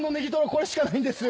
これしかないんです。